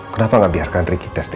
kenapa gak biarkan ricky tes dia